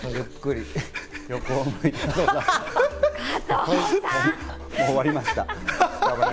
もう終わりました。